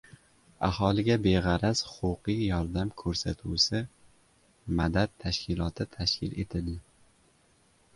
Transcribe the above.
Aholiga beg‘araz huquqiy yordam ko‘rsatuvsi "Madad" tashkiloti tashkil etildi